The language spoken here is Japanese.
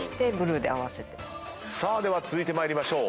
さあでは続いて参りましょう。